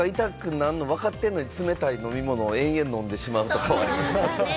なんの分かってんのに、冷たい飲み物を延々飲んでしまうとかはありますよね。